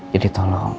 jadi tolong mba